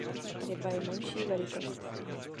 Ryba je menší velikost.